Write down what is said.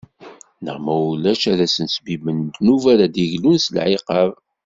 Neɣ ma ulac ad sen-sbibben ddnub ara d-iglun s lɛiqab.